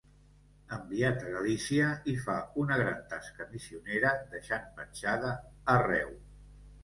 Enviat a Galícia, hi fa una gran tasca missionera deixant petjada arreu.